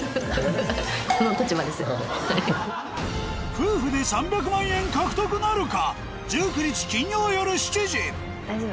夫婦で３００万円獲得なるか？